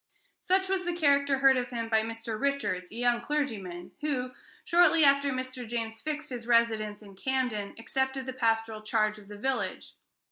Such was the character heard of him by Mr. Richards, a young clergyman, who, shortly after Mr. James fixed his residence in Camden, accepted the pastoral charge of the village.